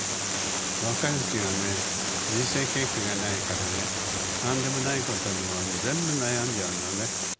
若いうちはね人生経験がないからね何でもないことでも全部悩んじゃうのね。